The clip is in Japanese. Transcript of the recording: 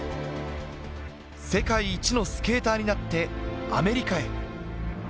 世界一のスケーターになってアメリカへ。